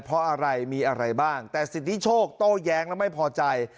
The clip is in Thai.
เพราะอะไรมีอะไรบ้างแต่สิทธิโชคโต้แย้งและไม่พอใจ